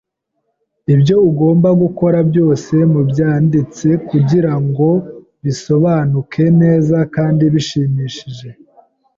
Ibyo ugomba gukora byose mubyanditse nukugirango bisobanuke neza kandi bishimishije.